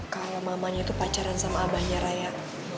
kalo mamanya tuh pacaran sama abahnya rayek